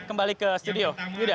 kembali ke studio